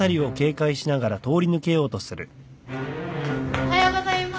・おはようございます。